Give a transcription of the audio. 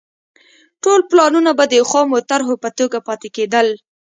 ټول پلانونه به د خامو طرحو په توګه پاتې کېدل.